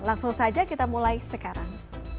langsung saja kita mulai sekarang